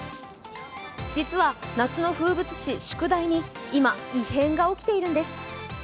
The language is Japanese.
実は夏の風物詩、宿題に今、異変が起きているんです。